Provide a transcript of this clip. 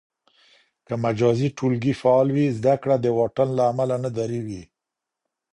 که مجازي ټولګي فعال وي، زده کړه د واټن له امله نه درېږي.